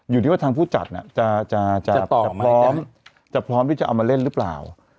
อยู่ที่ว่าทางผู้จัดจะตอบพร้อมจะพร้อมที่จะเอามาเล่นหรือเปล่า